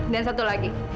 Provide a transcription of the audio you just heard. dan satu lagi